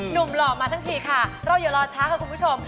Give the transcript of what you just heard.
หล่อมาทั้งทีค่ะเราอย่ารอช้าค่ะคุณผู้ชม